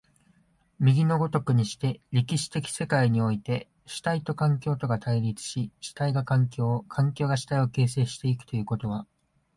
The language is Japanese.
右の如くにして、歴史的世界において、主体と環境とが対立し、主体が環境を、環境が主体を形成し行くということは、